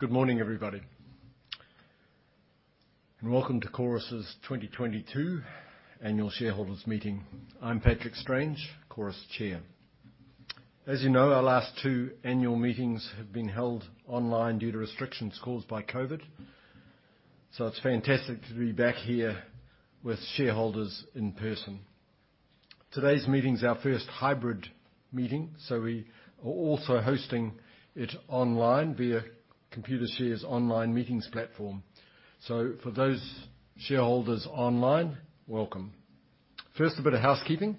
Good morning, everybody. Welcome to Chorus's 2022 annual shareholders meeting. I'm Patrick Strange, Chorus Chair. As you know, our last two annual meetings have been held online due to restrictions caused by COVID. It's fantastic to be back here with shareholders in person. Today's meeting's our first hybrid meeting. We are also hosting it online via Computershare's online meetings platform. For those shareholders online, welcome. First, a bit of housekeeping.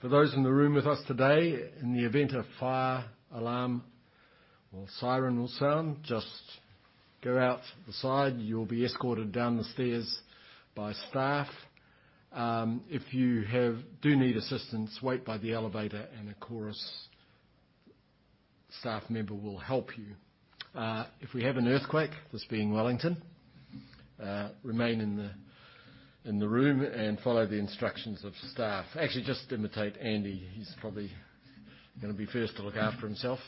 For those in the room with us today, in the event a fire alarm or siren will sound, just go out the side. You'll be escorted down the stairs by staff. If you do need assistance, wait by the elevator and a Chorus staff member will help you. If we have an earthquake, this being Wellington, remain in the room and follow the instructions of staff. Actually, just imitate Andy. He's probably gonna be first to look after himself.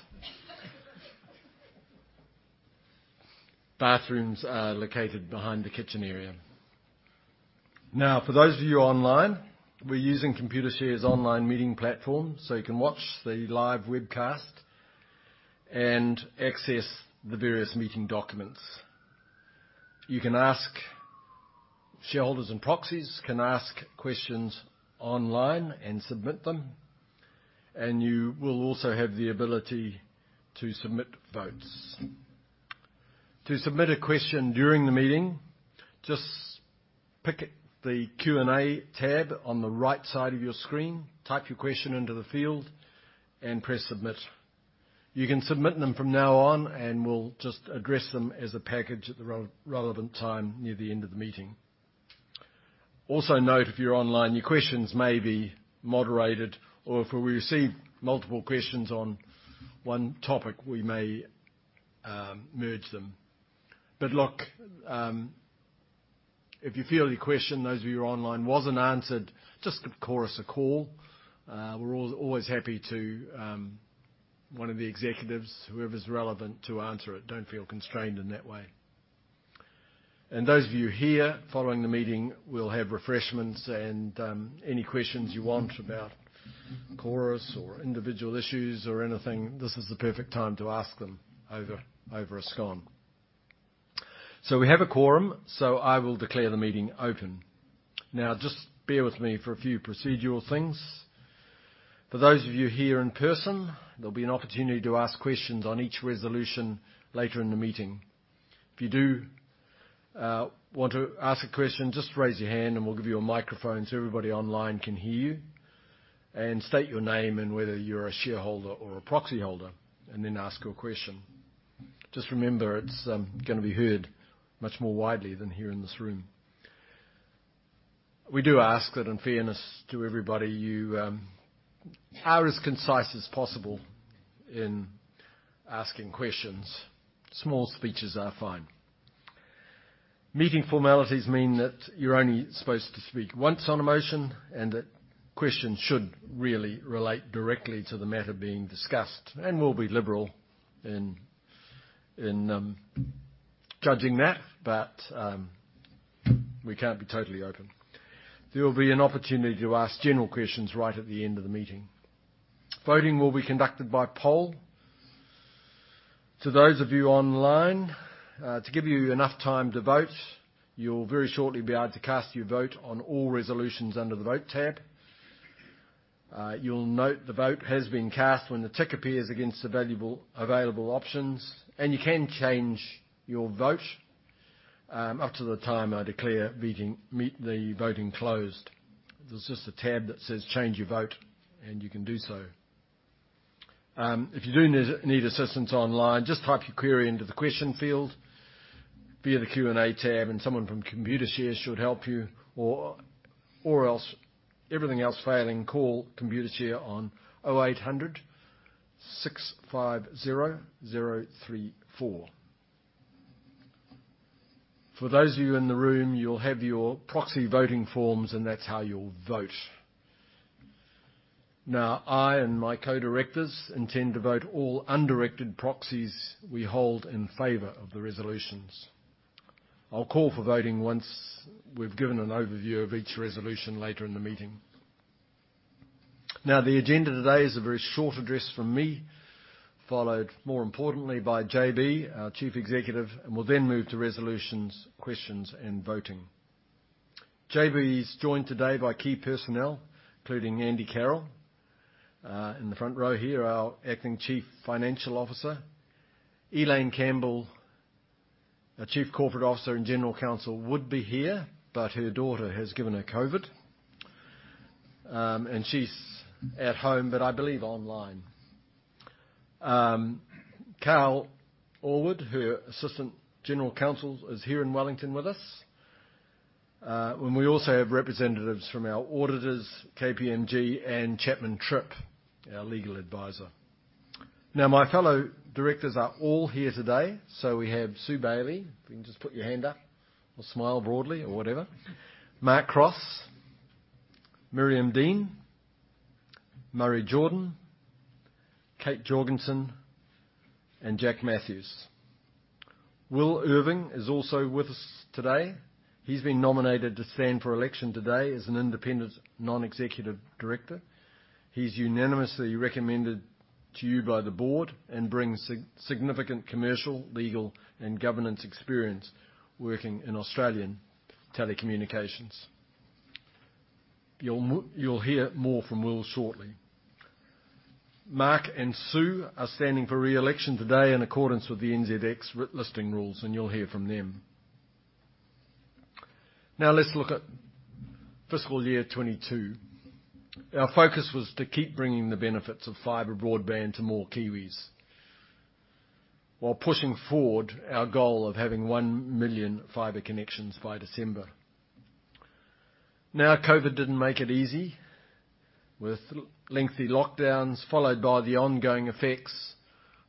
Bathrooms are located behind the kitchen area. Now, for those of you online, we're using Computershare's online meeting platform, so you can watch the live webcast and access the various meeting documents. Shareholders and proxies can ask questions online and submit them, and you will also have the ability to submit votes. To submit a question during the meeting, just pick the Q&A tab on the right side of your screen, type your question into the field, and press Submit. You can submit them from now on, and we'll just address them as a package at the relevant time near the end of the meeting. Also note if you're online, your questions may be moderated, or if we receive multiple questions on one topic, we may merge them. Look, if you feel your question, those of you online, wasn't answered, just give Chorus a call. We're always happy to, one of the executives, whoever's relevant to answer it. Don't feel constrained in that way. Those of you here, following the meeting, we'll have refreshments and, any questions you want about Chorus or individual issues or anything, this is the perfect time to ask them over a scone. We have a quorum, I will declare the meeting open. Now just bear with me for a few procedural things. For those of you here in person, there'll be an opportunity to ask questions on each resolution later in the meeting. If you do, want to ask a question, just raise your hand and we'll give you a microphone so everybody online can hear you. State your name and whether you're a shareholder or a proxy holder, and then ask your question. Just remember, it's gonna be heard much more widely than here in this room. We do ask that, in fairness to everybody, you are as concise as possible in asking questions. Small speeches are fine. Meeting formalities mean that you're only supposed to speak once on a motion and that questions should really relate directly to the matter being discussed. We'll be liberal in judging that, but we can't be totally open. There will be an opportunity to ask general questions right at the end of the meeting. Voting will be conducted by poll. To those of you online, to give you enough time to vote, you'll very shortly be able to cast your vote on all resolutions under the Vote tab. You'll note the vote has been cast when the tick appears against the available options, and you can change your vote up to the time I declare the voting closed. There's just a tab that says Change Your Vote, and you can do so. If you do need assistance online, just type your query into the question field via the Q&A tab and someone from Computershare should help you or else, everything else failing, call Computershare on 0800 650 034. For those of you in the room, you'll have your proxy voting forms, and that's how you'll vote. Now, I and my co-directors intend to vote all undirected proxies we hold in favor of the resolutions. I'll call for voting once we've given an overview of each resolution later in the meeting. Now the agenda today is a very short address from me, followed more importantly by JB, our Chief Executive, and we'll then move to resolutions, questions, and voting. JB is joined today by key personnel, including Andy Carroll, in the front row here, our acting Chief Financial Officer. Elaine Campbell, our Chief Corporate Officer and General Counsel would be here, but her daughter has given her COVID. And she's at home, but I believe online. Cal Allwood, her Assistant General Counsel is here in Wellington with us. And we also have representatives from our auditors, KPMG and Chapman Tripp, our legal advisor. Now, my fellow directors are all here today. So we have Sue Bailey. If you can just put your hand up or smile broadly or whatever. Mark Cross. Miriam Dean. Murray Jordan, Kate Jorgensen, and Jack Matthews. Will Irving is also with us today. He's been nominated to stand for election today as an independent non-executive director. He's unanimously recommended to you by the board and brings significant commercial, legal, and governance experience working in Australian telecommunications. You'll hear more from Will shortly. Mark and Sue are standing for re-election today in accordance with the NZX listing rules, and you'll hear from them. Now, let's look at fiscal year 2022. Our focus was to keep bringing the benefits of fiber broadband to more Kiwis while pushing forward our goal of having one million fiber connections by December. Now, COVID didn't make it easy with lengthy lockdowns, followed by the ongoing effects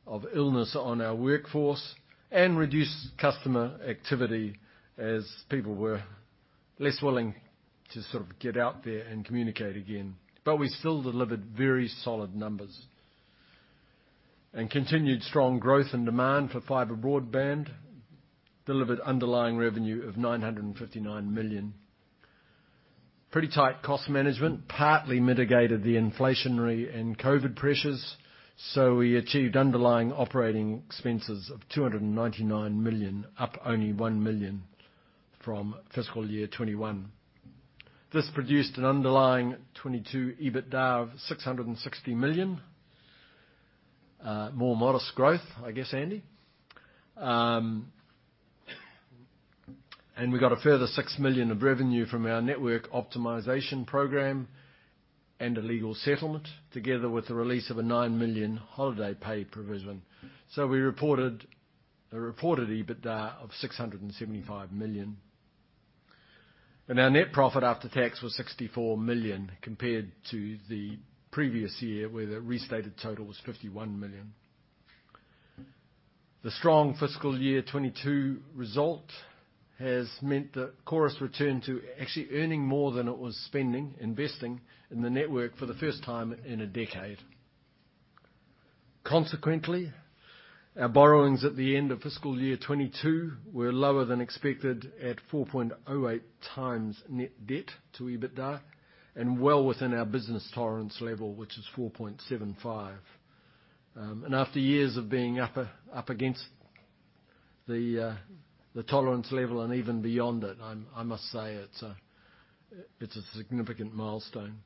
of illness on our workforce and reduced customer activity as people were less willing to sort of get out there and communicate again. We still delivered very solid numbers. Continued strong growth and demand for fiber broadband delivered underlying revenue of 959 million. Pretty tight cost management partly mitigated the inflationary and COVID pressures, so we achieved underlying operating expenses of 299 million, up only 1 million from fiscal year 2021. This produced an underlying 2022 EBITDA of 660 million. More modest growth, I guess, Andy. We got a further 6 million of revenue from our network optimization program and a legal settlement, together with the release of a 9 million holiday pay provision. We reported EBITDA of 675 million. Our net profit after tax was 64 million compared to the previous year, where the restated total was 51 million. The strong fiscal year 2022 result has meant that Chorus returned to actually earning more than it was spending, investing in the network for the first time in a decade. Consequently, our borrowings at the end of fiscal year 2022 were lower than expected at 4.08 times net debt to EBITDA and well within our business tolerance level, which is 4.75. After years of being up against the tolerance level and even beyond it, I must say it's a significant milestone.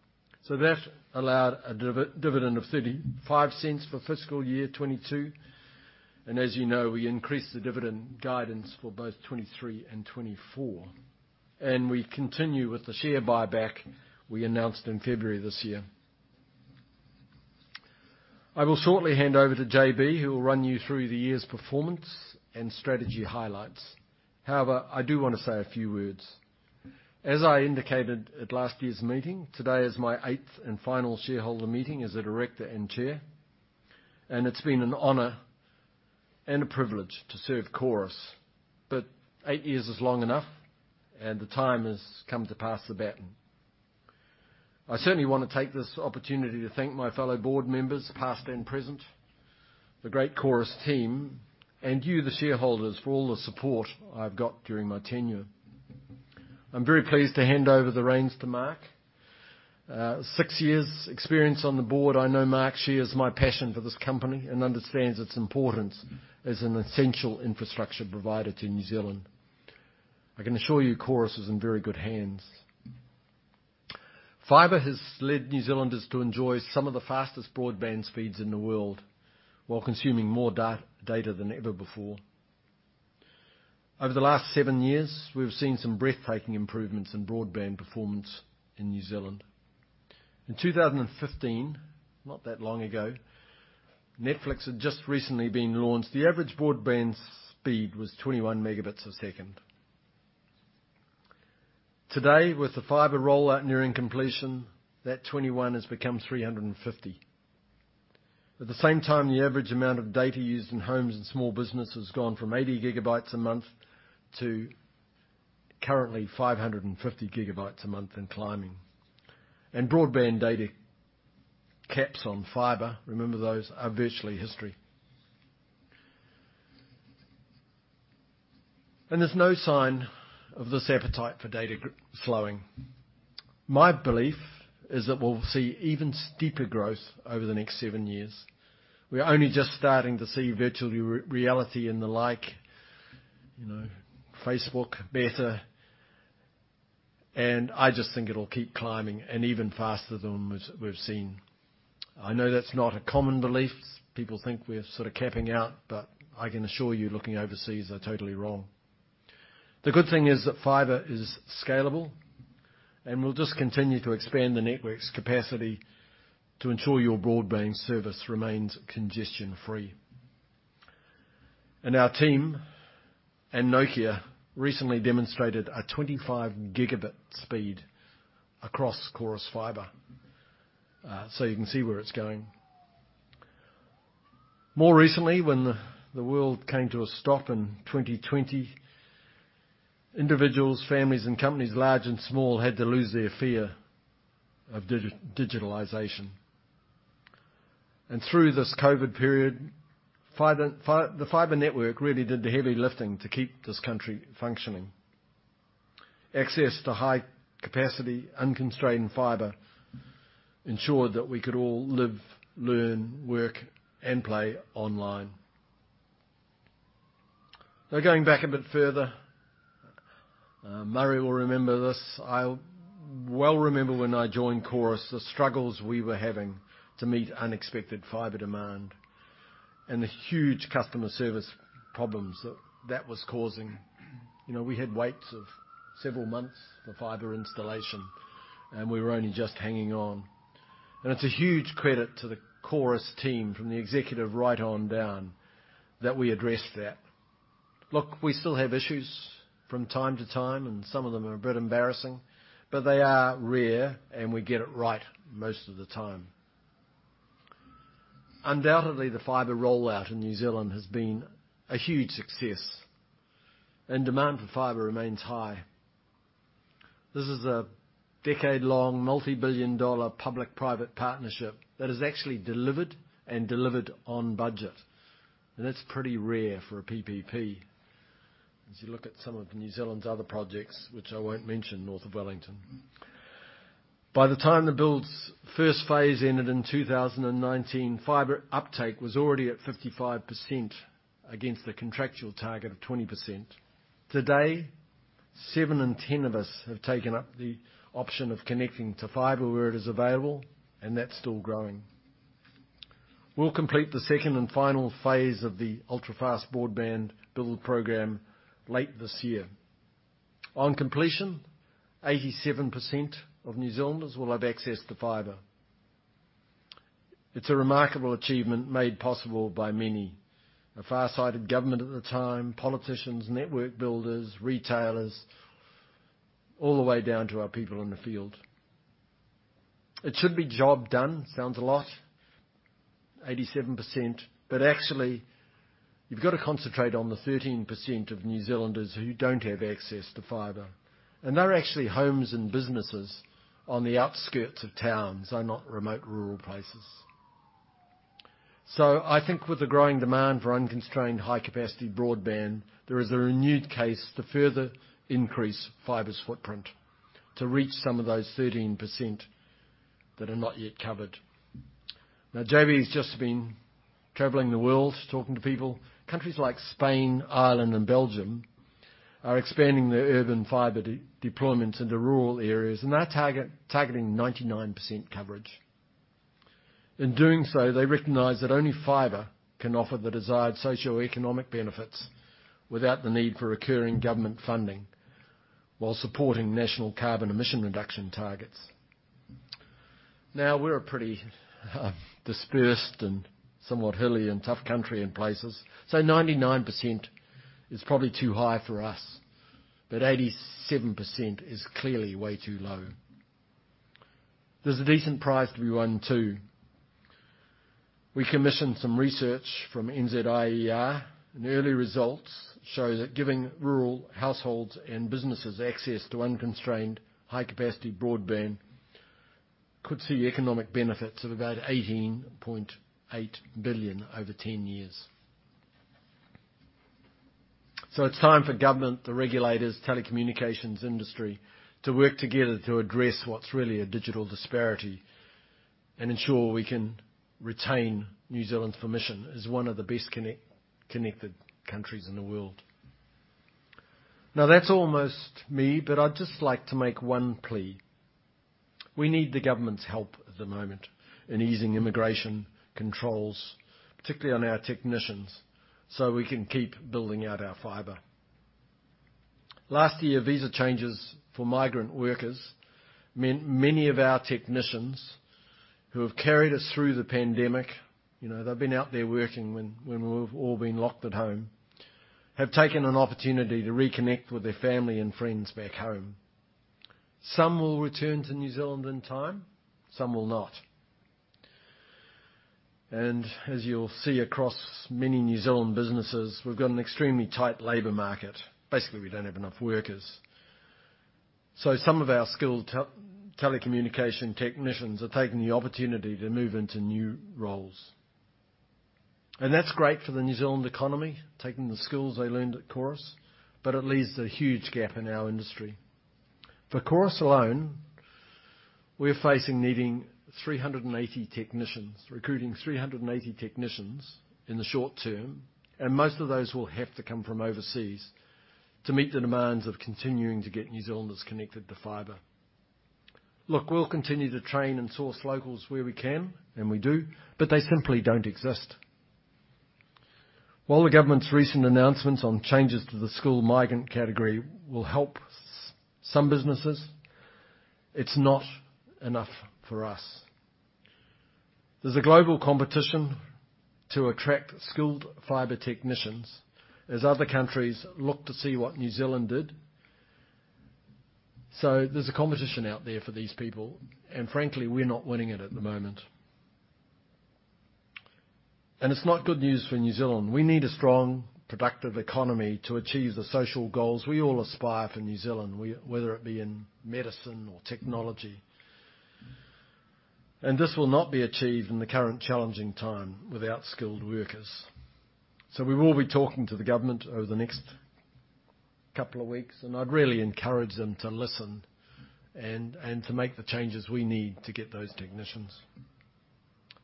That allowed a dividend of 0.35 for fiscal year 2022. As you know, we increased the dividend guidance for both 2023 and 2024, and we continue with the share buyback we announced in February this year. I will shortly hand over to JB, who will run you through the year's performance and strategy highlights. However, I do want to say a few words. As I indicated at last year's meeting, today is my eighth and final shareholder meeting as a director and chair, and it's been an honor and a privilege to serve Chorus. Eight years is long enough, and the time has come to pass the baton. I certainly want to take this opportunity to thank my fellow board members, past and present, the great Chorus team, and you, the shareholders, for all the support I've got during my tenure. I'm very pleased to hand over the reins to Mark. Six years experience on the board, I know Mark shares my passion for this company and understands its importance as an essential infrastructure provider to New Zealand. I can assure you Chorus is in very good hands. Fiber has led New Zealanders to enjoy some of the fastest broadband speeds in the world while consuming more data than ever before. Over the last seven years, we've seen some breathtaking improvements in broadband performance in New Zealand. In 2015, not that long ago, Netflix had just recently been launched. The average broadband speed was 21 Mbps. Today, with the fiber rollout nearing completion, that 21 has become 350. At the same time, the average amount of data used in homes and small businesses has gone from 80 GB a month to currently 550 GB a month and climbing. Broadband data caps on fiber, remember those, are virtually history. There's no sign of this appetite for data slowing. My belief is that we'll see even steeper growth over the next seven years. We're only just starting to see virtual reality and the like, you know, Meta. I just think it'll keep climbing and even faster than we've seen. I know that's not a common belief. People think we're sort of capping out, but I can assure you, looking overseas, they're totally wrong. The good thing is that fiber is scalable, and we'll just continue to expand the network's capacity to ensure your broadband service remains congestion-free. Our team and Nokia recently demonstrated a 25-gigabit speed across Chorus fiber. So you can see where it's going. More recently, when the world came to a stop in 2020, individuals, families and companies large and small had to lose their fear of digitalization. Through this COVID period, the fiber network really did the heavy lifting to keep this country functioning. Access to high capacity, unconstrained fiber ensured that we could all live, learn, work, and play online. Now, going back a bit further, Murray will remember this. I well remember when I joined Chorus, the struggles we were having to meet unexpected fiber demand and the huge customer service problems that that was causing. You know, we had waits of several months for fiber installation, and we were only just hanging on. It's a huge credit to the Chorus team, from the executive right on down, that we addressed that. Look, we still have issues from time to time, and some of them are a bit embarrassing, but they are rare, and we get it right most of the time. Undoubtedly, the fiber rollout in New Zealand has been a huge success and demand for fiber remains high. This is a decade-long, multi-billion-dollar public-private partnership that has actually delivered and delivered on budget, and that's pretty rare for a PPP as you look at some of New Zealand's other projects, which I won't mention north of Wellington. By the time the build's first phase ended in 2019, fiber uptake was already at 55% against the contractual target of 20%. Today, seven in ten of us have taken up the option of connecting to fiber where it is available, and that's still growing. We'll complete the second and final phase of the Ultra-Fast Broadband build program late this year. On completion, 87% of New Zealanders will have access to fiber. It's a remarkable achievement made possible by many. A farsighted government at the time, politicians, network builders, retailers, all the way down to our people in the field. It should be job done. Sounds a lot, 87%, but actually you've got to concentrate on the 13% of New Zealanders who don't have access to fiber. They're actually homes and businesses on the outskirts of towns, they're not remote rural places. I think with the growing demand for unconstrained high-capacity broadband, there is a renewed case to further increase fiber's footprint to reach some of those 13% that are not yet covered. Now, JB's just been traveling the world talking to people. Countries like Spain, Ireland and Belgium are expanding their urban fiber deployment into rural areas, and they're targeting 99% coverage. In doing so, they recognize that only fiber can offer the desired socioeconomic benefits without the need for recurring government funding while supporting national carbon emission reduction targets. Now, we're a pretty dispersed and somewhat hilly and tough country in places, so 99% is probably too high for us, but 87% is clearly way too low. There's a decent prize to be won, too. We commissioned some research from NZIER, and early results show that giving rural households and businesses access to unconstrained high-capacity broadband could see economic benefits of about 18.8 billion over 10 years. It's time for government, the regulators, telecommunications industry to work together to address what's really a digital disparity and ensure we can retain New Zealand's position as one of the best connected countries in the world. Now that's almost me, but I'd just like to make one plea. We need the government's help at the moment in easing immigration controls, particularly on our technicians, so we can keep building out our fiber. Last year, visa changes for migrant workers meant many of our technicians who have carried us through the pandemic, you know, they've been out there working when we've all been locked at home, have taken an opportunity to reconnect with their family and friends back home. Some will return to New Zealand in time, some will not. As you'll see across many New Zealand businesses, we've got an extremely tight labor market. Basically, we don't have enough workers. Some of our skilled telecommunication technicians are taking the opportunity to move into new roles. That's great for the New Zealand economy, taking the skills they learned at Chorus, but it leaves a huge gap in our industry. For Chorus alone, we're facing needing 380 technicians, recruiting 380 technicians in the short term, and most of those will have to come from overseas to meet the demands of continuing to get New Zealanders connected to fiber. Look, we'll continue to train and source locals where we can, and we do, but they simply don't exist. While the government's recent announcements on changes to the skilled migrant category will help some businesses, it's not enough for us. There's a global competition to attract skilled fiber technicians as other countries look to see what New Zealand did. There's a competition out there for these people, and frankly, we're not winning it at the moment. It's not good news for New Zealand. We need a strong, productive economy to achieve the social goals we all aspire for New Zealand, whether it be in medicine or technology. This will not be achieved in the current challenging time without skilled workers. We will be talking to the government over the next couple of weeks, and I'd really encourage them to listen and to make the changes we need to get those technicians.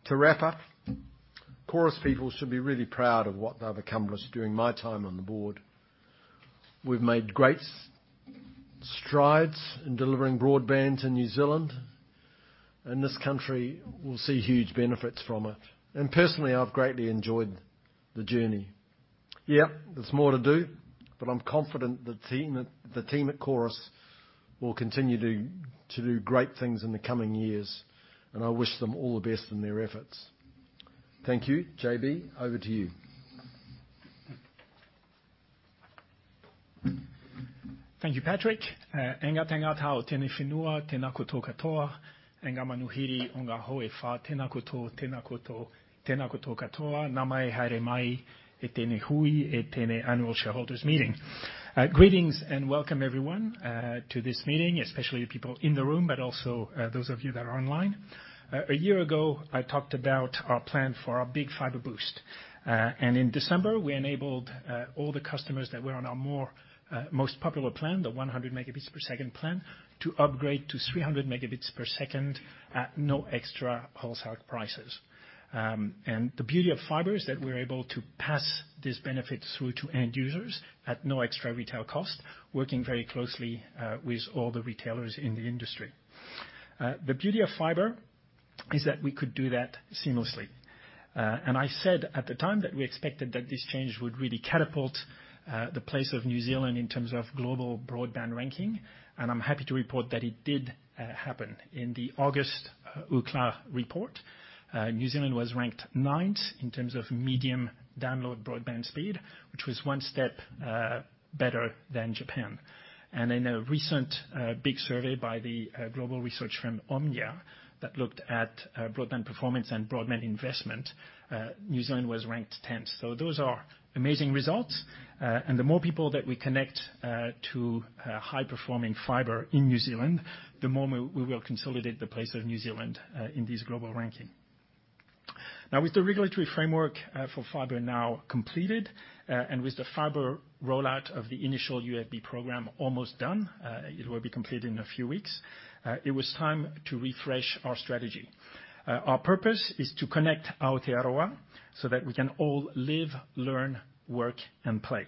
To wrap up, Chorus people should be really proud of what they've accomplished during my time on the board. We've made great strides in delivering broadband to New Zealand, and this country will see huge benefits from it. Personally, I've greatly enjoyed the journey. Yeah, there's more to do, but I'm confident the team at Chorus will continue to do great things in the coming years, and I wish them all the best in their efforts. Thank you. JB, over to you. Thank you, Patrick. Annual Shareholders Meeting. Greetings and welcome everyone to this meeting, especially the people in the room, but also those of you that are online. A year ago, I talked about our plan for our big fiber boost. In December, we enabled all the customers that were on our most popular plan, the 100 Mbps plan, to upgrade to 300 Mbps at no extra wholesale prices. The beauty of fiber is that we're able to pass this benefit through to end users at no extra retail cost, working very closely with all the retailers in the industry. The beauty of fiber is that we could do that seamlessly. I said at the time that we expected that this change would really catapult the place of New Zealand in terms of global broadband ranking, and I'm happy to report that it did happen. In the August Ookla report, New Zealand was ranked ninth in terms of medium download broadband speed, which was one step better than Japan. In a recent big survey by the global research firm Omdia, that looked at broadband performance and broadband investment, New Zealand was ranked tenth. Those are amazing results. The more people that we connect to high-performing fiber in New Zealand, the more we will consolidate the place of New Zealand in this global ranking. Now, with the regulatory framework for fiber now completed, and with the fiber rollout of the initial UFB program almost done, it will be completed in a few weeks, it was time to refresh our strategy. Our purpose is to connect Aotearoa so that we can all live, learn, work, and play.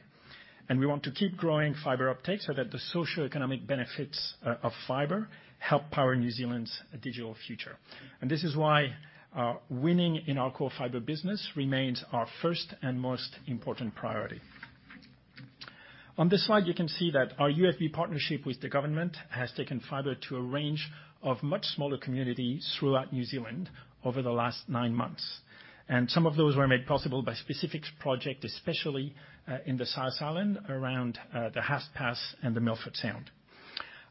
We want to keep growing fiber uptake so that the socioeconomic benefits of fiber help power New Zealand's digital future. This is why winning in our core fiber business remains our first and most important priority. On this slide, you can see that our UFB partnership with the government has taken fiber to a range of much smaller communities throughout New Zealand over the last nine months. Some of those were made possible by specific project, especially, in the South Island around, the Haast Pass and the Milford Sound.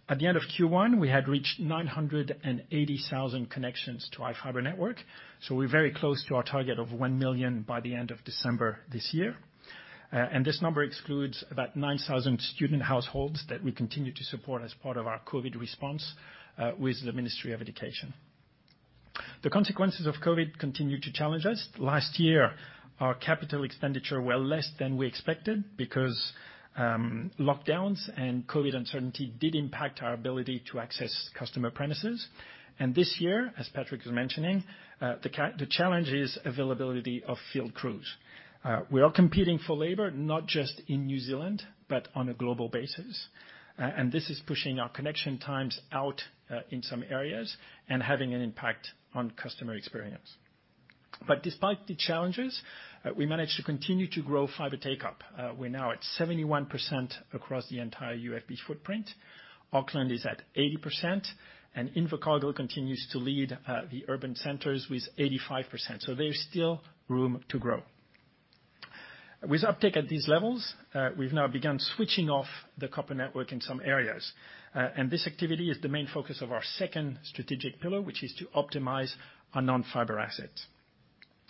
At the end of Q1, we had reached 980,000 connections to our fiber network, so we're very close to our target of one million by the end of December this year. This number excludes about 9,000 student households that we continue to support as part of our COVID response, with the Ministry of Education. The consequences of COVID continue to challenge us. Last year, our capital expenditure were less than we expected because, lockdowns and COVID uncertainty did impact our ability to access customer premises. This year, as Patrick was mentioning, the challenge is availability of field crews. We are competing for labor, not just in New Zealand, but on a global basis. This is pushing our connection times out, in some areas and having an impact on customer experience. Despite the challenges, we managed to continue to grow fiber take-up. We're now at 71% across the entire UFB footprint. Auckland is at 80%, and Invercargill continues to lead the urban centers with 85%. There's still room to grow. With uptake at these levels, we've now begun switching off the copper network in some areas. This activity is the main focus of our second strategic pillar, which is to optimize our non-fiber assets.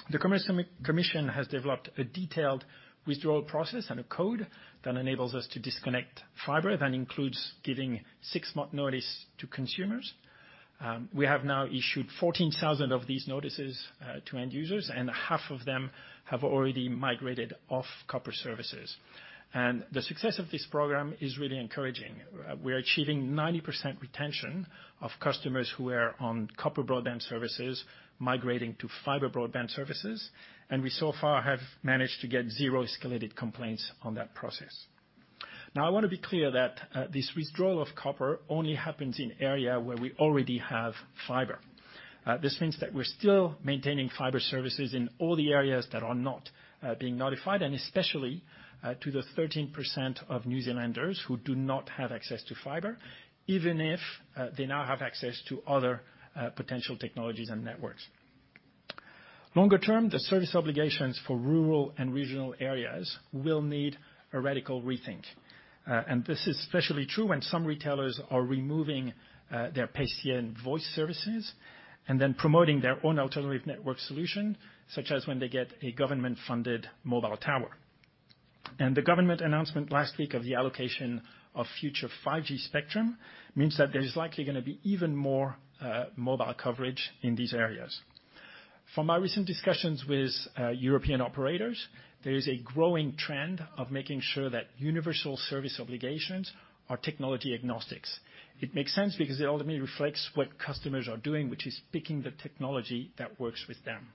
The Commerce Commission has developed a detailed withdrawal process and a code that enables us to disconnect fiber. That includes giving six-month notice to consumers. We have now issued 14,000 of these notices to end users, and half of them have already migrated off copper services. The success of this program is really encouraging. We're achieving 90% retention of customers who are on copper broadband services migrating to fiber broadband services, and we so far have managed to get zero escalated complaints on that process. Now, I wanna be clear that this withdrawal of copper only happens in area where we already have fiber. This means that we're still maintaining fiber services in all the areas that are not being notified, and especially to the 13% of New Zealanders who do not have access to fiber, even if they now have access to other potential technologies and networks. Longer term, the service obligations for rural and regional areas will need a radical rethink. This is especially true when some retailers are removing their PSTN voice services and then promoting their own alternative network solution, such as when they get a government-funded mobile tower. The government announcement last week of the allocation of future 5G spectrum means that there's likely gonna be even more mobile coverage in these areas. From my recent discussions with European operators, there is a growing trend of making sure that universal service obligations are technology agnostic. It makes sense because it ultimately reflects what customers are doing, which is picking the technology that works with them.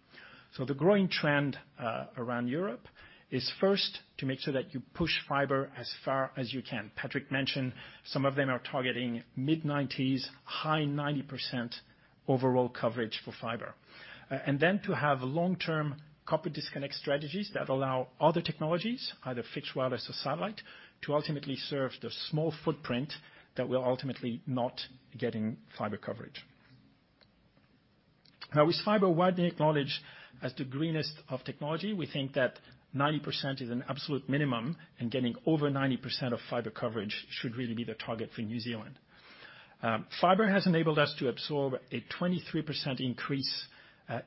The growing trend around Europe is first to make sure that you push fiber as far as you can. Patrick mentioned some of them are targeting mid-90s, high 90% overall coverage for fiber. To have long-term copper disconnect strategies that allow other technologies, either fixed wireless or satellite, to ultimately serve the small footprint that will ultimately not getting fiber coverage. With fiber widely acknowledged as the greenest of technology, we think that 90% is an absolute minimum, and getting over 90% of fiber coverage should really be the target for New Zealand. Fiber has enabled us to absorb a 23% increase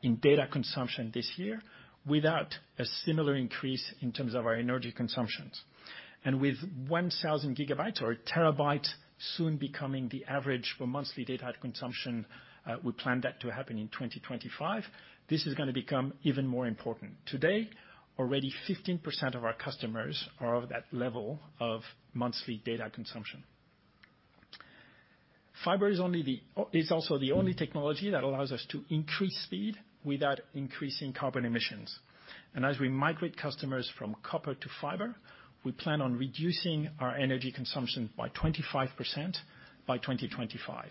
in data consumption this year without a similar increase in terms of our energy consumptions. With 1000 GB or 1 TB soon becoming the average for monthly data consumption, we plan that to happen in 2025, this is gonna become even more important. Today, already 15% of our customers are of that level of monthly data consumption. Fiber is also the only technology that allows us to increase speed without increasing carbon emissions. As we migrate customers from copper to fiber, we plan on reducing our energy consumption by 25% by 2025.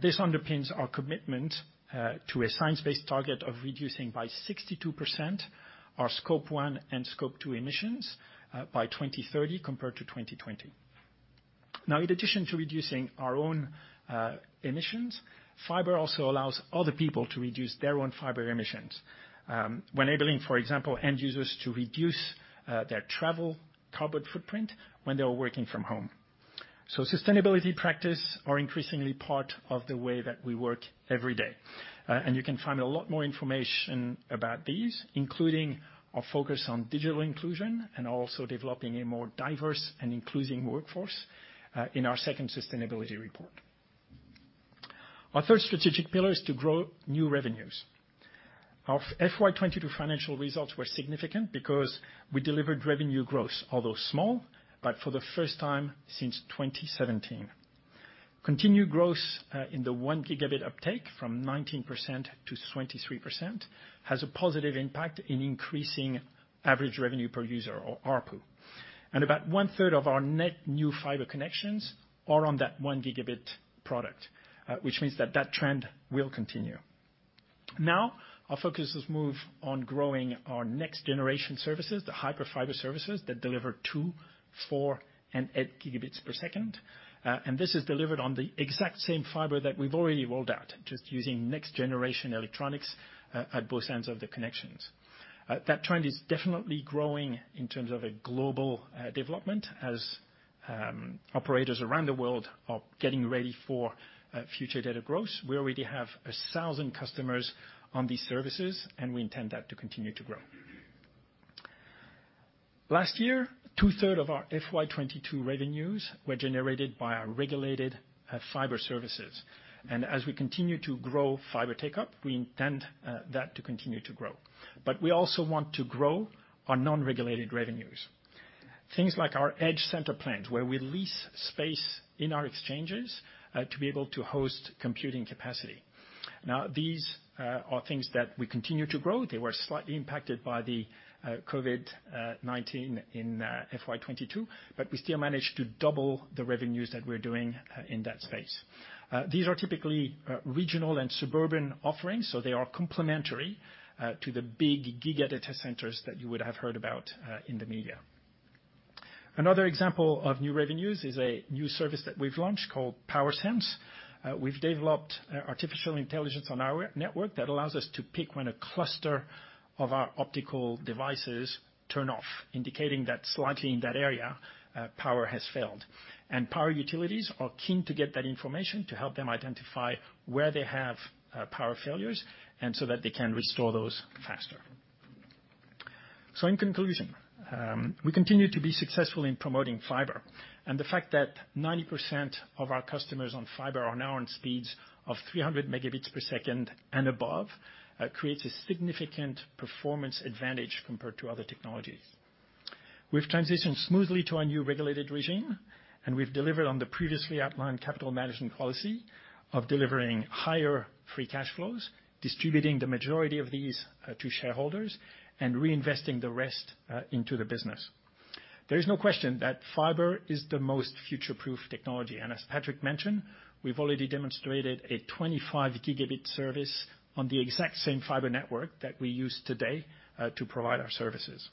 This underpins our commitment to a science-based target of reducing by 62% our Scope 1 and Scope 2 emissions by 2030 compared to 2020. Now, in addition to reducing our own emissions, fiber also allows other people to reduce their own fiber emissions when enabling, for example, end users to reduce their travel carbon footprint when they are working from home. Sustainability practice are increasingly part of the way that we work every day. You can find a lot more information about these, including our focus on digital inclusion and also developing a more diverse and inclusive workforce, in our second sustainability report. Our third strategic pillar is to grow new revenues. Our FY 2022 financial results were significant because we delivered revenue growth, although small, but for the first time since 2017. Continued growth in the one gigabit uptake from 19% to 23% has a positive impact in increasing average revenue per user or ARPU. About 1/3 of our net new fiber connections are on that one gigabit product, which means that that trend will continue. Now, our focus is moving on growing our next generation services, the Hyperfibre services that deliver 2 Gbps, 4 Gbps, and 8 Gbps. This is delivered on the exact same fiber that we've already rolled out, just using next generation electronics at both ends of the connections. That trend is definitely growing in terms of a global development as operators around the world are getting ready for future data growth. We already have 1,000 customers on these services, and we intend that to continue to grow. Last year, two-thirds of our FY 2022 revenues were generated by our regulated fiber services. As we continue to grow fiber take-up, we intend that to continue to grow. But we also want to grow our non-regulated revenues. Things like our Edge Centre plans, where we lease space in our exchanges to be able to host computing capacity. Now, these are things that we continue to grow. They were slightly impacted by the COVID-19 in FY 2022, but we still managed to double the revenues that we're doing in that space. These are typically regional and suburban offerings, so they are complementary to the big giga data centers that you would have heard about in the media. Another example of new revenues is a new service that we've launched called Power Sense. We've developed artificial intelligence on our network that allows us to pick when a cluster of our optical devices turn off, indicating that slightly in that area power has failed. Power utilities are keen to get that information to help them identify where they have power failures and so that they can restore those faster. In conclusion, we continue to be successful in promoting fiber. The fact that 90% of our customers on fiber are now on speeds of 300 Mbps and above creates a significant performance advantage compared to other technologies. We've transitioned smoothly to our new regulated regime, and we've delivered on the previously outlined capital management policy of delivering higher free cash flows, distributing the majority of these to shareholders, and reinvesting the rest into the business. There is no question that fiber is the most future-proof technology. As Patrick mentioned, we've already demonstrated a 25 Gbp service on the exact same fiber network that we use today to provide our services.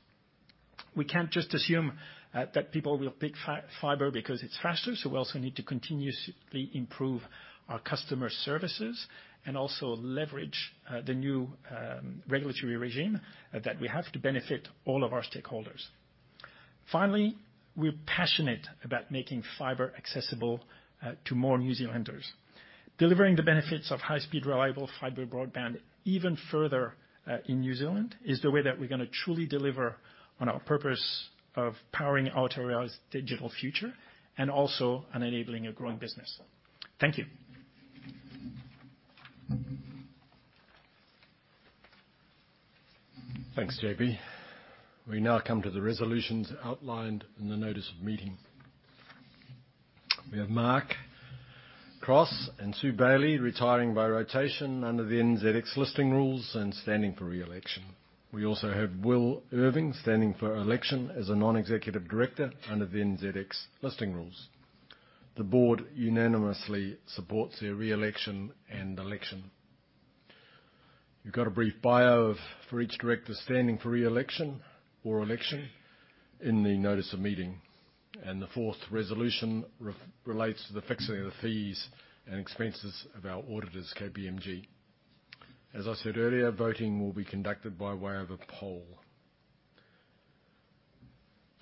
We can't just assume that people will pick fiber because it's faster, so we also need to continuously improve our customer services and also leverage the new regulatory regime that we have to benefit all of our stakeholders. Finally, we're passionate about making fiber accessible to more New Zealanders. Delivering the benefits of high-speed, reliable fiber broadband even further in New Zealand is the way that we're gonna truly deliver on our purpose of powering Aotearoa's digital future and also on enabling a growing business. Thank you. Thanks, JB. We now come to the resolutions outlined in the notice of meeting. We have Mark Cross and Sue Bailey retiring by rotation under the NZX Listing Rules and standing for re-election. We also have Will Irving standing for election as a non-executive director under the NZX Listing Rules. The board unanimously supports their re-election and election. You've got a brief bio for each director standing for re-election or election in the notice of meeting, and the fourth resolution relates to the fixing of the fees and expenses of our auditors, KPMG. As I said earlier, voting will be conducted by way of a poll.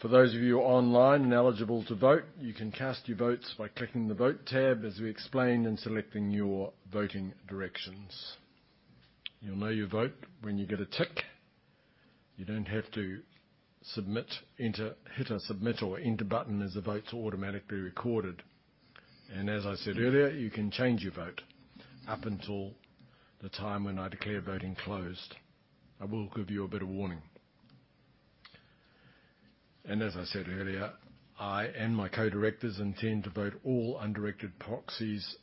For those of you online and eligible to vote, you can cast your votes by clicking the Vote tab as we explained, and selecting your voting directions. You'll know you vote when you get a tick. You don't have to submit, enter, hit a submit or enter button, as the vote's automatically recorded. As I said earlier, you can change your vote up until the time when I declare voting closed. I will give you a bit of warning. As I said earlier, I and my co-directors intend to vote all undirected proxies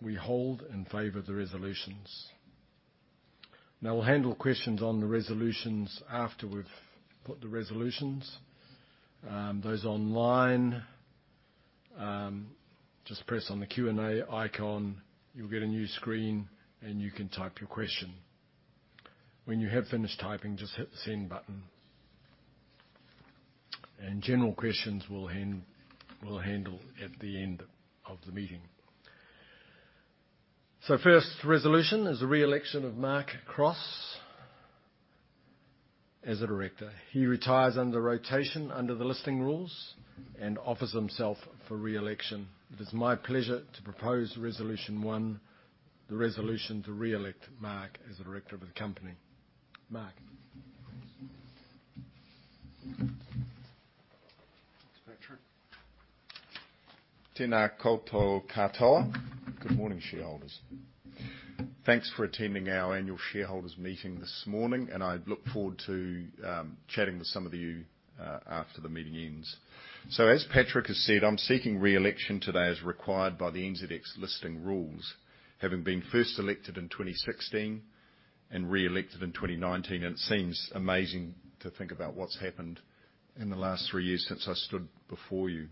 we hold in favor of the resolutions. Now, we'll handle questions on the resolutions after we've put the resolutions. Those online, just press on the Q&A icon. You'll get a new screen, and you can type your question. When you have finished typing, just hit the Send button. General questions we'll handle at the end of the meeting. First resolution is the re-election of Mark Cross as a director. He retires under rotation under the Listing Rules and offers himself for re-election. It is my pleasure to propose Resolution One, the resolution to re-elect Mark as a director of the company. Mark? Thanks, Patrick. Tēnā koutou katoa. Good morning, shareholders. Thanks for attending our annual shareholders' meeting this morning, and I look forward to chatting with some of you after the meeting ends. As Patrick has said, I'm seeking re-election today as required by the NZX Listing Rules, having been first elected in 2016 and re-elected in 2019. It seems amazing to think about what's happened in the last three years since I stood before you.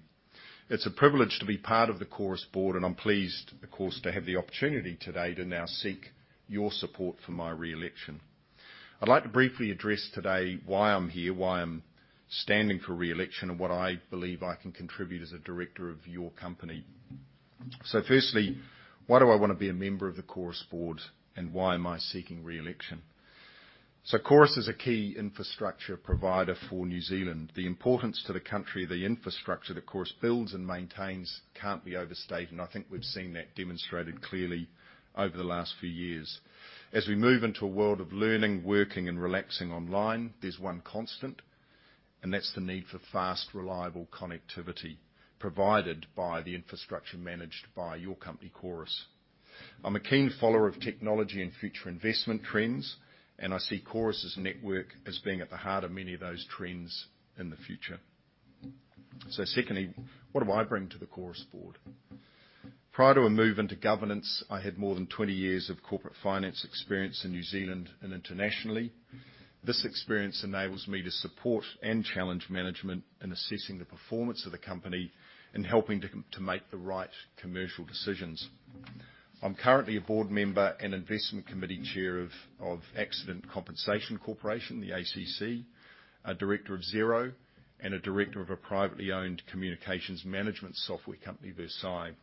It's a privilege to be part of the Chorus board, and I'm pleased, of course, to have the opportunity today to now seek your support for my re-election. I'd like to briefly address today why I'm here, why I'm standing for re-election, and what I believe I can contribute as a director of your company. Firstly, why do I wanna be a member of the Chorus board, and why am I seeking re-election? Chorus is a key infrastructure provider for New Zealand. The importance to the country, the infrastructure that Chorus builds and maintains can't be overstated, and I think we've seen that demonstrated clearly over the last few years. As we move into a world of learning, working, and relaxing online, there's one constant, and that's the need for fast, reliable connectivity provided by the infrastructure managed by your company, Chorus. I'm a keen follower of technology and future investment trends, and I see Chorus' network as being at the heart of many of those trends in the future. Secondly, what do I bring to the Chorus board? Prior to a move into governance, I had more than 20 years of corporate finance experience in New Zealand and internationally. This experience enables me to support and challenge management in assessing the performance of the company and helping to make the right commercial decisions. I'm currently a board member and investment committee chair of Accident Compensation Corporation, the ACC, a director of Xero, and a director of a privately owned communications management software company, Virsae.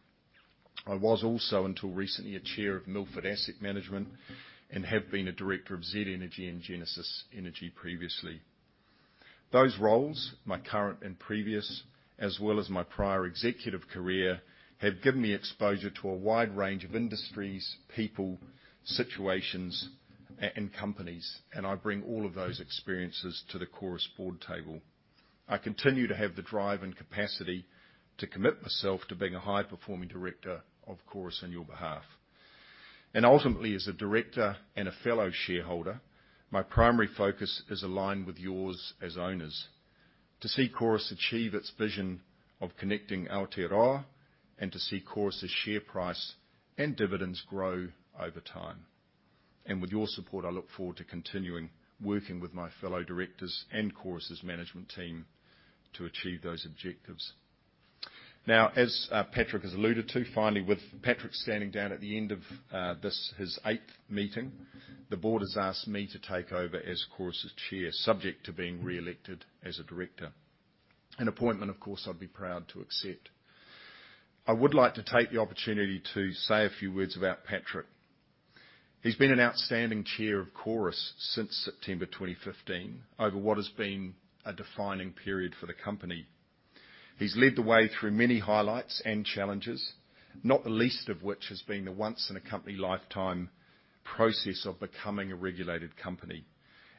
I was also, until recently, a chair of Milford Asset Management and have been a director of Z Energy and Genesis Energy previously. Those roles, my current and previous, as well as my prior executive career, have given me exposure to a wide range of industries, people, situations, and companies, and I bring all of those experiences to the Chorus board table. I continue to have the drive and capacity to commit myself to being a high-performing director of Chorus on your behalf. Ultimately, as a director and a fellow shareholder, my primary focus is aligned with yours as owners: to see Chorus achieve its vision of connecting Aotearoa and to see Chorus' share price and dividends grow over time. With your support, I look forward to continuing working with my fellow directors and Chorus' management team to achieve those objectives. Now, as Patrick has alluded to, finally, with Patrick standing down at the end of this, his eighth meeting, the board has asked me to take over as Chorus' chair, subject to being re-elected as a director. An appointment, of course, I'd be proud to accept. I would like to take the opportunity to say a few words about Patrick. He's been an outstanding chair of Chorus since September 2015, over what has been a defining period for the company. He's led the way through many highlights and challenges, not the least of which has been the once in a company lifetime process of becoming a regulated company,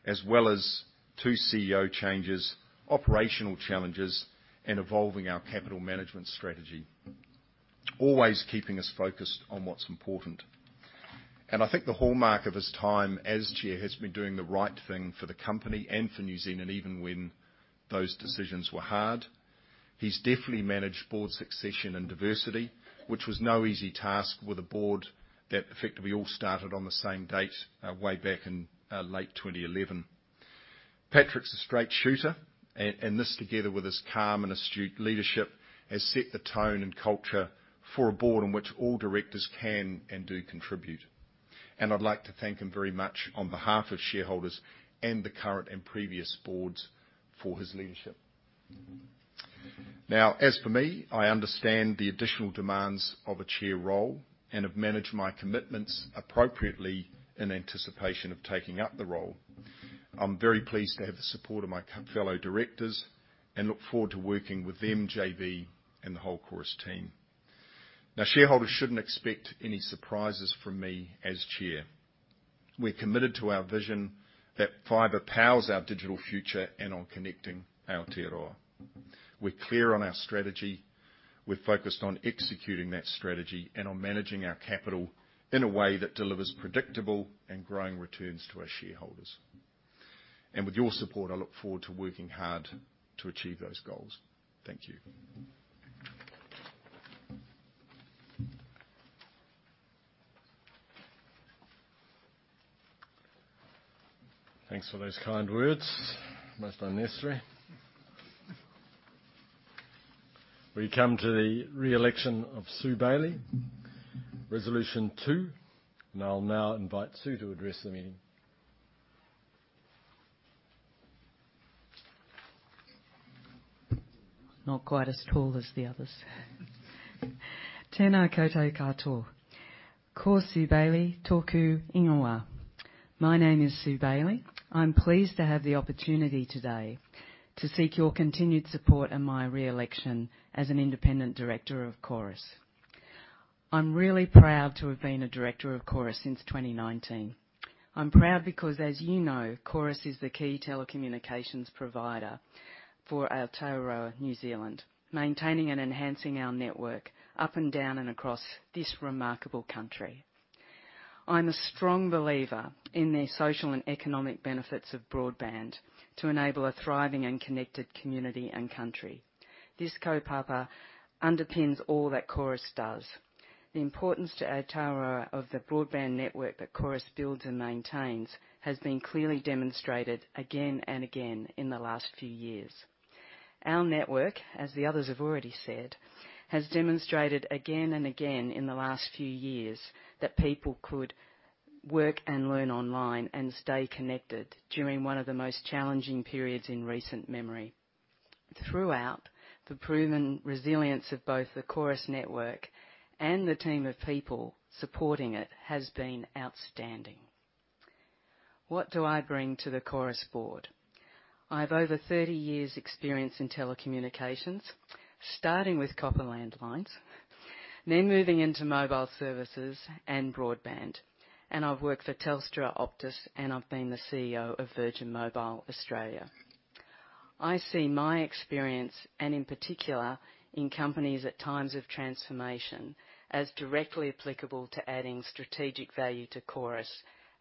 as well as two CEO changes, operational challenges, and evolving our capital management strategy. Always keeping us focused on what's important. I think the hallmark of his time as chair has been doing the right thing for the company and for New Zealand, even when those decisions were hard., He's definitely managed board succession and diversity, which was no easy task with a board that effectively all started on the same date, way back in late 2011. Patrick's a straight shooter, and this together with his calm and astute leadership, has set the tone and culture for a board in which all directors can and do contribute. I'd like to thank him very much on behalf of shareholders and the current and previous boards for his leadership. Now, as for me, I understand the additional demands of a chair role and have managed my commitments appropriately in anticipation of taking up the role. I'm very pleased to have the support of my fellow directors and look forward to working with them, JB, and the whole Chorus team. Now, shareholders shouldn't expect any surprises from me as chair. We're committed to our vision that fiber powers our digital future and on connecting Aotearoa. We're clear on our strategy, we're focused on executing that strategy, and on managing our capital in a way that delivers predictable and growing returns to our shareholders. With your support, I look forward to working hard to achieve those goals. Thank you. Thanks for those kind words. Most unnecessary. We come to the re-election of Sue Bailey. Resolution two. I'll now invite Sue to address the meeting. Not quite as tall as the others. Tēnā koutou katoa. Ko Sue Bailey toku ingoa. My name is Sue Bailey. I'm pleased to have the opportunity today to seek your continued support in my re-election as an independent director of Chorus. I'm really proud to have been a director of Chorus since 2019. I'm proud because, as you know, Chorus is the key telecommunications provider for Āotearoa, New Zealand, maintaining and enhancing our network up and down and across this remarkable country. I'm a strong believer in the social and economic benefits of broadband to enable a thriving and connected community and country. This kaupapa underpins all that Chorus does. The importance to Āotearoa of the broadband network that Chorus builds and maintains has been clearly demonstrated again and again in the last few years. Our network, as the others have already said, has demonstrated again and again in the last few years that people could work and learn online and stay connected during one of the most challenging periods in recent memory. Throughout, the proven resilience of both the Chorus network and the team of people supporting it has been outstanding. What do I bring to the Chorus board? I have over 30 years' experience in telecommunications, starting with copper landlines, then moving into mobile services and broadband, and I've worked for Telstra, Optus, and I've been the CEO of Virgin Mobile Australia. I see my experience, and in particular in companies at times of transformation, as directly applicable to adding strategic value to Chorus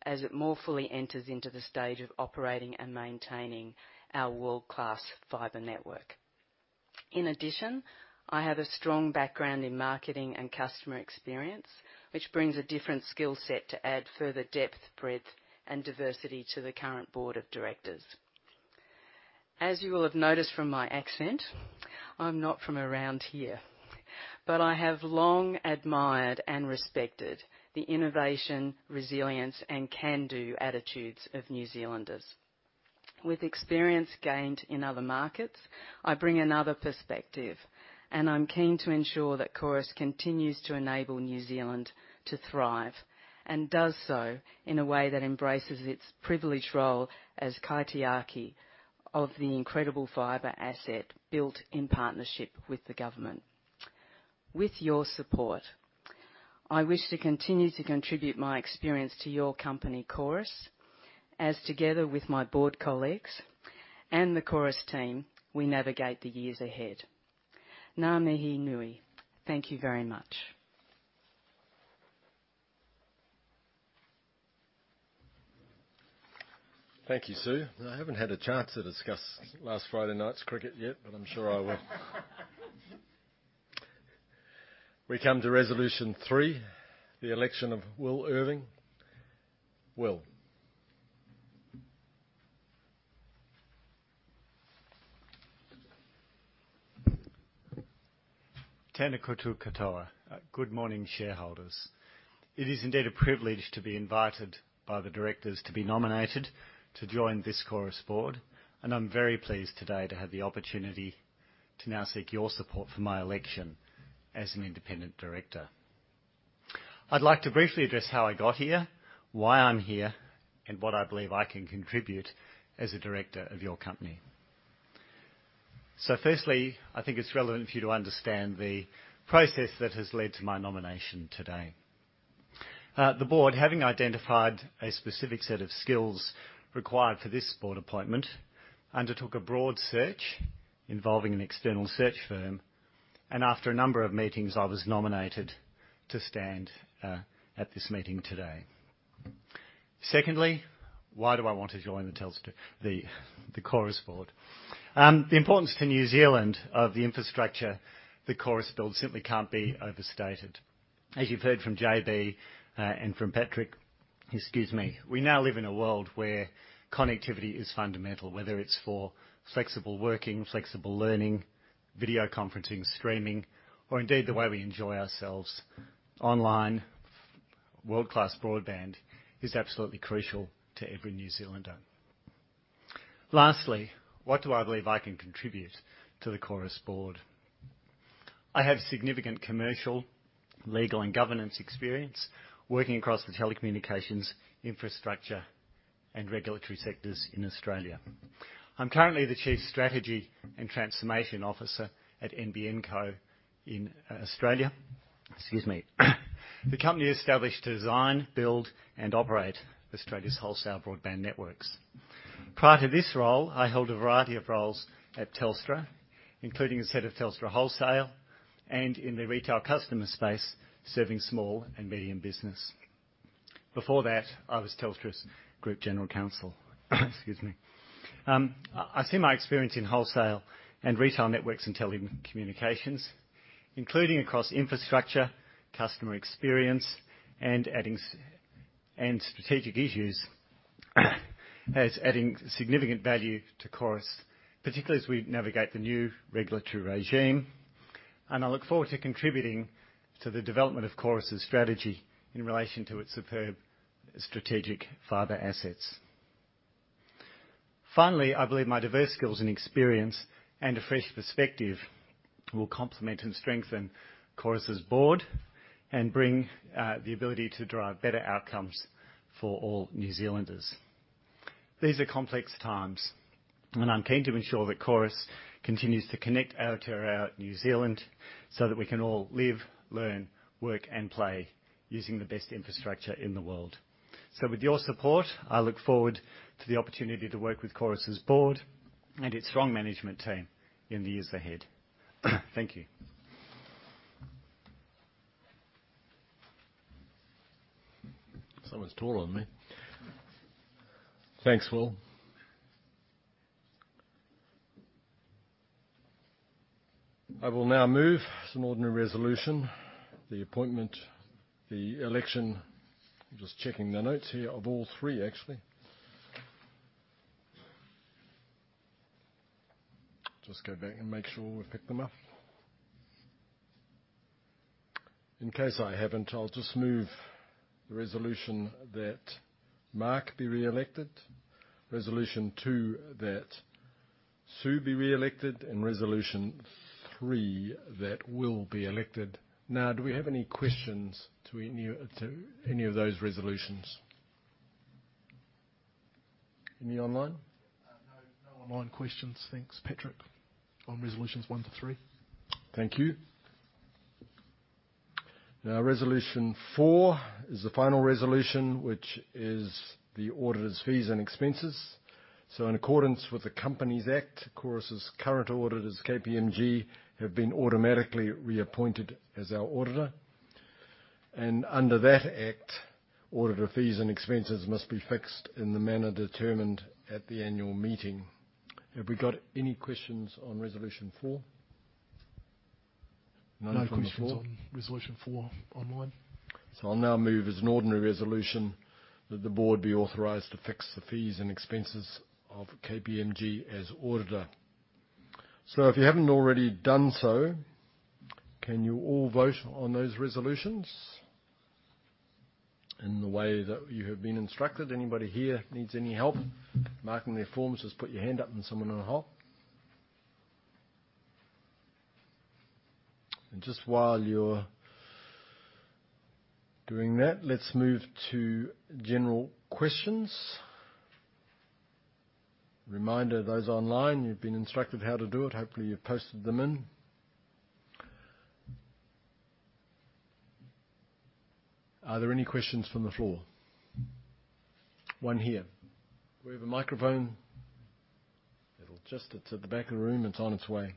as it more fully enters into the stage of operating and maintaining our world-class fiber network. In addition, I have a strong background in marketing and customer experience, which brings a different skill set to add further depth, breadth, and diversity to the current board of directors. As you will have noticed from my accent, I'm not from around here, but I have long admired and respected the innovation, resilience, and can-do attitudes of New Zealanders. With experience gained in other markets, I bring another perspective, and I'm keen to ensure that Chorus continues to enable New Zealand to thrive and does so in a way that embraces its privileged role as kaitiaki of the incredible fiber asset built in partnership with the government. With your support, I wish to continue to contribute my experience to your company, Chorus, as together with my board colleagues and the Chorus team, we navigate the years ahead. Nga mihi nui. Thank you very much. Thank you, Sue. I haven't had a chance to discuss last Friday night's cricket yet, but I'm sure I will. We come to Resolution three, the election of Will Irving. Will? Tena koutou katoa. Good morning, shareholders. It is indeed a privilege to be invited by the directors to be nominated to join this Chorus board, and I'm very pleased today to have the opportunity to now seek your support for my election as an independent director. I'd like to briefly address how I got here, why I'm here, and what I believe I can contribute as a director of your company. Firstly, I think it's relevant for you to understand the process that has led to my nomination today. The board, having identified a specific set of skills required for this board appointment, undertook a broad search involving an external search firm, and after a number of meetings, I was nominated to stand at this meeting today. Secondly, why do I want to join the Chorus board? The importance to New Zealand of the infrastructure that Chorus build simply can't be overstated. As you've heard from JB and from Patrick, we now live in a world where connectivity is fundamental, whether it's for flexible working, flexible learning, video conferencing, streaming, or indeed, the way we enjoy ourselves online. World-class broadband is absolutely crucial to every New Zealander. Lastly, what do I believe I can contribute to the Chorus board? I have significant commercial, legal, and governance experience working across the telecommunications infrastructure and regulatory sectors in Australia. I'm currently the chief strategy and transformation officer at NBN Co in Australia. The company established to design, build, and operate Australia's wholesale broadband networks. Prior to this role, I held a variety of roles at Telstra, including as head of Telstra Wholesale and in the retail customer space, serving small and medium business. Before that, I was Telstra's group general counsel. I see my experience in wholesale and retail networks and telecommunications, including across infrastructure, customer experience, and strategic issues, as adding significant value to Chorus. Particularly as we navigate the new regulatory regime, and I look forward to contributing to the development of Chorus' strategy in relation to its superb strategic fiber assets. Finally, I believe my diverse skills and experience and a fresh perspective will complement and strengthen Chorus' board and bring the ability to drive better outcomes for all New Zealanders. These are complex times, and I'm keen to ensure that Chorus continues to connect Aotearoa, New Zealand, so that we can all live, learn, work, and play using the best infrastructure in the world. With your support, I look forward to the opportunity to work with Chorus' board and its strong management team in the years ahead. Thank you. Someone's taller than me. Thanks, Will. I will now move some ordinary resolution, the appointment, the election. I'm just checking the notes here, of all three actually. Just go back and make sure we've picked them up. In case I haven't, I'll just move the resolution that Mark be reelected. Resolution two, that Sue be reelected, and resolution three, that Will be elected. Now, do we have any questions to any of those resolutions? Any online? No online questions. Thanks, Patrick. On resolutions 1-3. Thank you. Now, resolution four is the final resolution, which is the auditor's fees and expenses. In accordance with the Companies Act, Chorus' current auditors, KPMG, have been automatically reappointed as our auditor. Under that act, auditor fees and expenses must be fixed in the manner determined at the annual meeting. Have we got any questions on resolution four? None from the floor. No questions on resolution four online. I'll now move as an ordinary resolution that the board be authorized to fix the fees and expenses of KPMG as auditor. If you haven't already done so, can you all vote on those resolutions in the way that you have been instructed? Anybody here needs any help marking their forms, just put your hand up and someone will help. Just while you're doing that, let's move to general questions. Reminder, those online, you've been instructed how to do it. Hopefully, you've posted them in. Are there any questions from the floor? One here. We have a microphone. It's at the back of the room. It's on its way.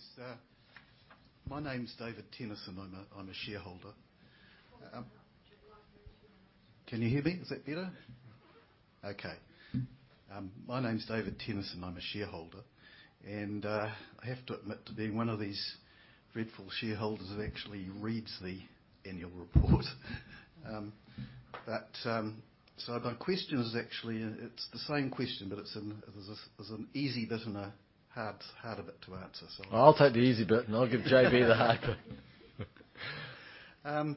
Yes, sir. My name's David Timmerson. I'm a shareholder. Can you hear me? Is that better? Okay. My name's David Timmerson. I'm a shareholder. I have to admit to being one of these dreadful shareholders that actually reads the annual report. My question is actually, it's the same question, but there's an easy bit and a hard bit to answer. I'll take the easy bit and I'll give JB the hard bit.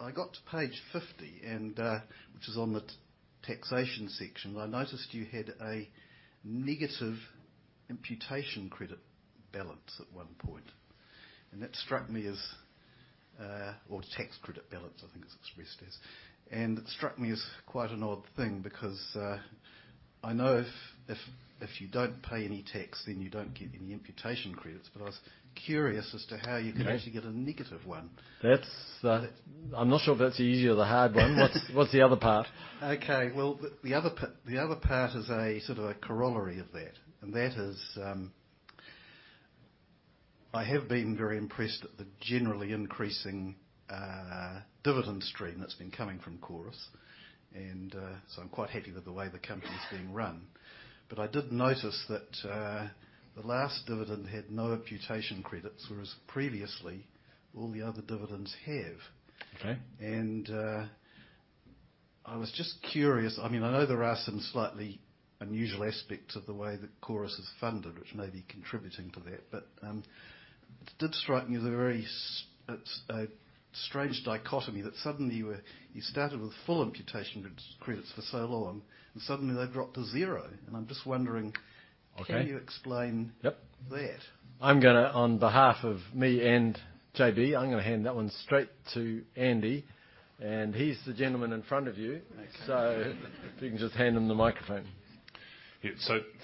I got to page 50, which is on the taxation section. I noticed you had a negative imputation credit balance at one point, or tax credit balance, I think it's expressed as. It struck me as quite an odd thing because I know if you don't pay any tax, then you don't get any imputation credits. I was curious as to how you could actually get a negative one. That's, I'm not sure if that's the easy or the hard one. What's the other part? Well, the other part is a sort of a corollary of that, and that is, I have been very impressed at the generally increasing dividend stream that's been coming from Chorus. I'm quite happy with the way the company is being run. I did notice that the last dividend had no imputation credits, whereas previously all the other dividends have. Okay. I was just curious. I mean, I know there are some slightly unusual aspects of the way that Chorus is funded, which may be contributing to that. It did strike me as a very strange dichotomy that suddenly you started with full imputation credits for so long, and suddenly they dropped to zero. I'm just wondering- Okay. -can you explain- Yep. -that? On behalf of me and JB, I'm gonna hand that one straight to Andy, and he's the gentleman in front of you. Thanks. If you can just hand him the microphone. Yeah.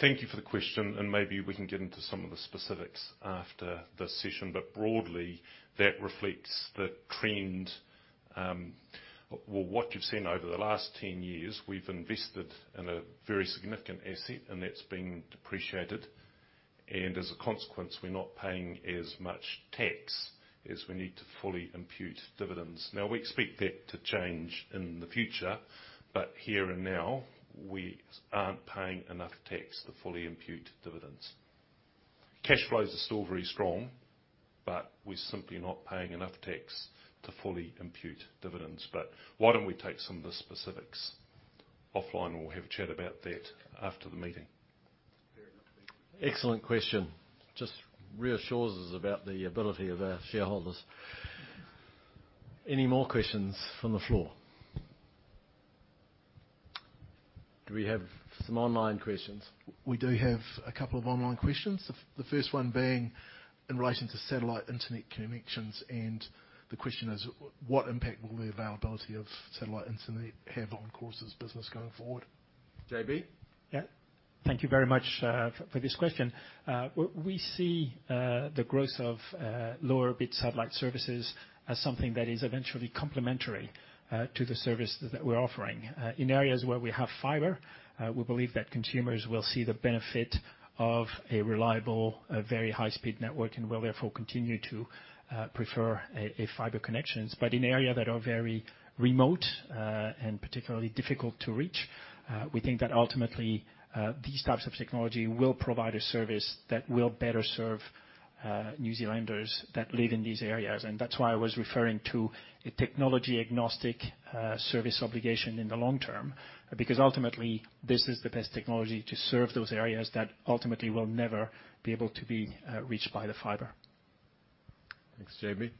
Thank you for the question, and maybe we can get into some of the specifics after the session. Broadly, that reflects the trend. Well, what you've seen over the last 10 years, we've invested in a very significant asset and that's been depreciated. As a consequence, we're not paying as much tax as we need to fully impute dividends. Now, we expect that to change in the future, but here and now we aren't paying enough tax to fully impute dividends. Cash flows are still very strong, but we're simply not paying enough tax to fully impute dividends. Why don't we take some of the specifics offline, and we'll have a chat about that after the meeting? Fair enough. Thank you. Excellent question. Just reassures us about the ability of our shareholders. Any more questions from the floor? Do we have some online questions? We do have a couple of online questions. The first one being in relation to satellite internet connections, and the question is, what impact will the availability of satellite internet have on Chorus' business going forward? JB? Yeah. Thank you very much for this question. We see the growth of low Earth orbit satellite services as something that is eventually complementary to the service that we're offering. In areas where we have fiber, we believe that consumers will see the benefit of a reliable, very high-speed network and will therefore continue to prefer fiber connections. In areas that are very remote and particularly difficult to reach, we think that ultimately these types of technology will provide a service that will better serve New Zealanders that live in these areas. That's why I was referring to a technology-agnostic service obligation in the long term, because ultimately this is the best technology to serve those areas that ultimately will never be able to be reached by the fiber. Thanks, JB.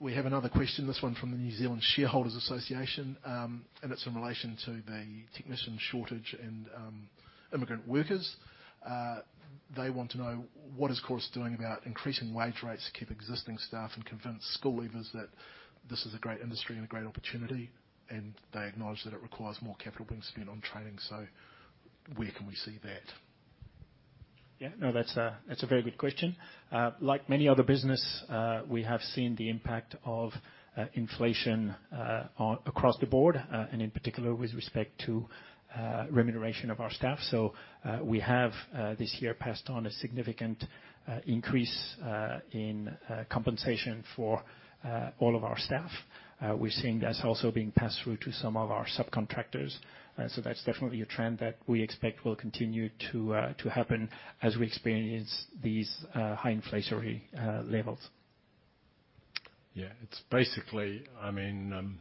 We have another question, this one from the New Zealand Shareholders' Association, and it's in relation to the technician shortage and immigrant workers. They want to know what is Chorus doing about increasing wage rates to keep existing staff and convince school leavers that this is a great industry and a great opportunity? They acknowledge that it requires more capital being spent on training, so where can we see that? Yeah. No, that's a very good question. Like many other business, we have seen the impact of inflation across the board, and in particular with respect to remuneration of our staff. We have this year passed on a significant increase in compensation for all of our staff. We're seeing that's also being passed through to some of our subcontractors. That's definitely a trend that we expect will continue to happen as we experience these high inflationary levels. Yeah. It's basically, I mean,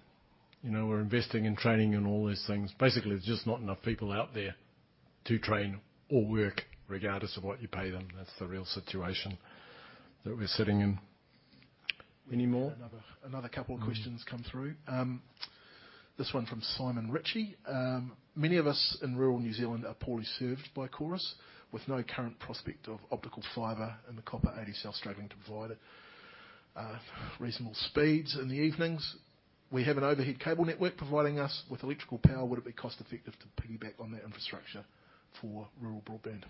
you know, we're investing in training and all these things. Basically, there's just not enough people out there to train or work regardless of what you pay them. That's the real situation that we're sitting in. Any more? Another couple of questions come through. This one from Simon Ritchie. Many of us in rural New Zealand are poorly served by Chorus, with no current prospect of optical fiber and the copper ADSL struggling to provide reasonable speeds in the evenings. We have an overhead cable network providing us with electrical power. Would it be cost-effective to piggyback on that infrastructure for rural broadband?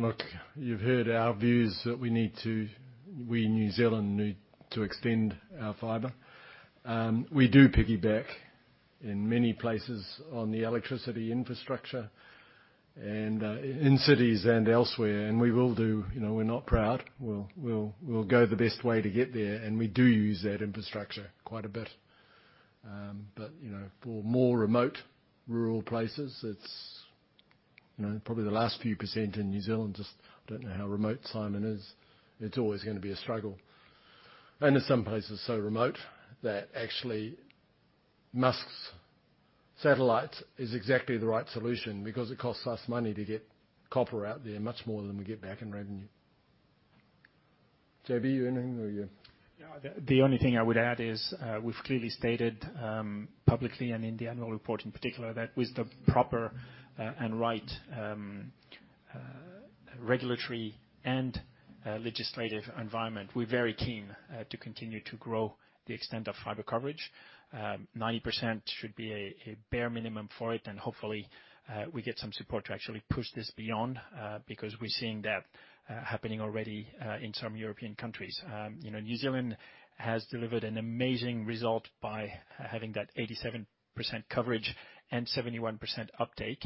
Look, you've heard our views that we need to—we in New Zealand need to extend our fiber. We do piggyback in many places on the electricity infrastructure and, in cities and elsewhere, and we will do. You know, we're not proud. We'll go the best way to get there, and we do use that infrastructure quite a bit. But, you know, for more remote rural places, it's, you know, probably the last few percent in New Zealand. I just don't know how remote some areas are. It's always gonna be a struggle. In some places so remote that actually Musk's satellites is exactly the right solution because it costs us money to get copper out there, much more than we get back in revenue. JB, you know him or you- Yeah, the only thing I would add is, we've clearly stated publicly and in the annual report in particular that with the proper and right regulatory and legislative environment, we're very keen to continue to grow the extent of fiber coverage. 90% should be a bare minimum for it, and hopefully we get some support to actually push this beyond, because we're seeing that happening already in some European countries. You know, New Zealand has delivered an amazing result by having that 87% coverage and 71% uptake.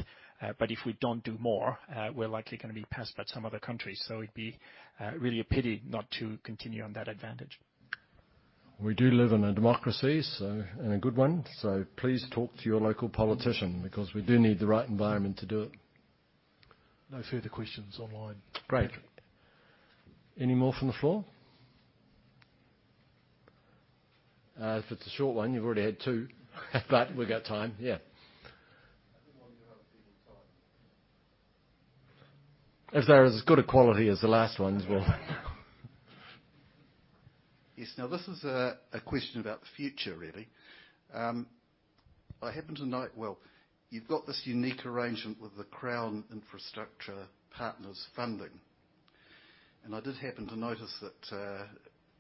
But if we don't do more, we're likely gonna be passed by some other countries. It'd be really a pity not to continue on that advantage. We do live in a democracy, so and a good one. Please talk to your local politician because we do need the right environment to do it. No further questions online. Great. Any more from the floor? If it's a short one, you've already had two, but we've got time. Yeah. I did wonder how we're doing on time. If they're as good a quality as the last one as well. Yes. Now, this is a question about the future, really. I happen to know. Well, you've got this unique arrangement with the Crown Infrastructure Partners funding, and I did happen to notice that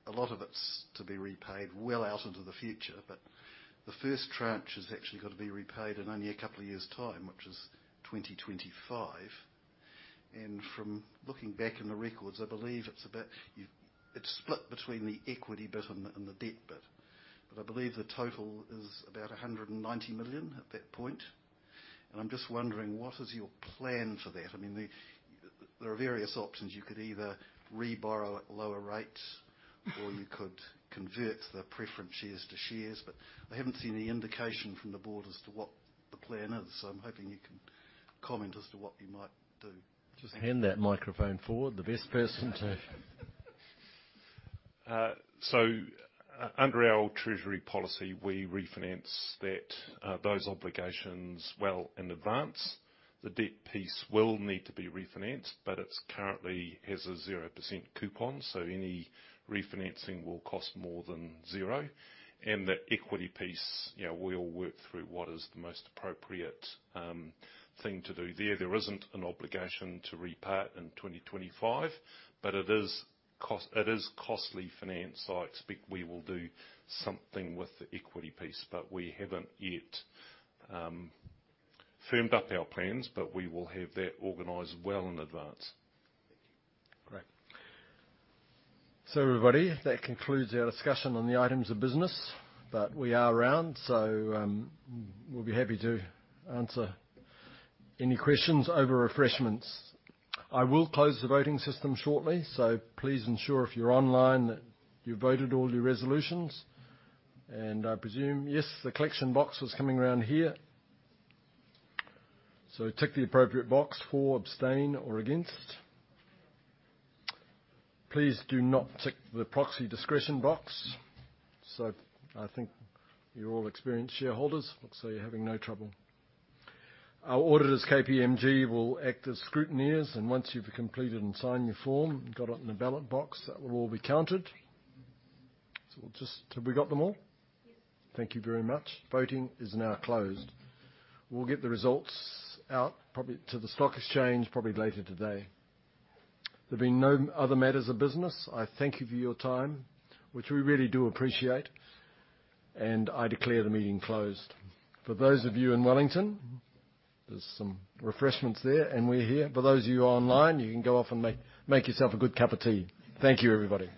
a lot of it's to be repaid well out into the future, but the first tranche has actually got to be repaid in only a couple of years' time, which is 2025. From looking back in the records, I believe it's split between the equity bit and the debt bit. I believe the total is about 190 million at that point. I'm just wondering, what is your plan for that? I mean, there are various options. You could either reborrow at lower rates, or you could convert the preference shares to shares. I haven't seen any indication from the board as to what the plan is. I'm hoping you can comment as to what you might do. Just hand that microphone forward. So under our treasury policy, we refinance that, those obligations well in advance. The debt piece will need to be refinanced, but it's currently has a 0% coupon, so any refinancing will cost more than zero. The equity piece, you know, we'll work through what is the most appropriate thing to do there. There isn't an obligation to repay it in 2025, but it is costly finance, so I expect we will do something with the equity piece. We haven't yet firmed up our plans, but we will have that organized well in advance. Thank you. Great. Everybody, that concludes our discussion on the items of business. We are around, so we'll be happy to answer any questions over refreshments. I will close the voting system shortly, so please ensure if you're online that you voted all your resolutions. I presume, yes, the collection box was coming around here. Tick the appropriate box for abstain or against. Please do not tick the proxy discretion box. I think you're all experienced shareholders, looks like you're having no trouble. Our auditors, KPMG, will act as scrutineers, and once you've completed and signed your form and got it in the ballot box, that will all be counted. Have we got them all? Yes. Thank you very much. Voting is now closed. We'll get the results out probably to the stock exchange probably later today. There being no other matters of business, I thank you for your time, which we really do appreciate. I declare the meeting closed. For those of you in Wellington, there's some refreshments there, and we're here. For those of you online, you can go off and make yourself a good cup of tea. Thank you, everybody.